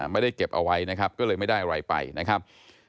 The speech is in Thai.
ไม่ได้เก็บเอาไว้นะครับก็เลยไม่ได้อะไรไปนะครับ